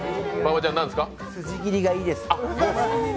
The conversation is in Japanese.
筋切りがいいです。